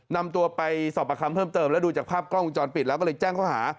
นำตัวไปสอบประคำเพิ่มเติมแล้วดูจากภาพกล้องวงจรปิดแล้วก็เลยแจ้งเขาหา